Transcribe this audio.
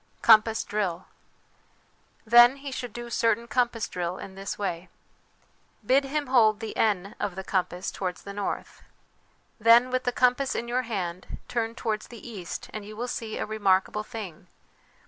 Compass Drill. Then he should do certain compass drill in this way : Bid him hold the N of the compass towards the north. " Then, with the compass in your hand, turn towards the east, and you will see a remarkable thing.